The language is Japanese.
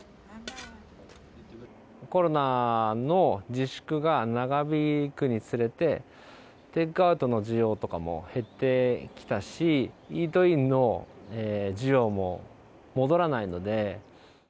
コロナの自粛が長引くにつれて、テイクアウトの需要とかも減ってきたし、イートインの需要も戻らないので。